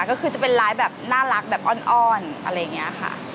ก็คือจะเป็นไลฟ์แบบน่ารักแบบอ้อนอะไรอย่างนี้ค่ะ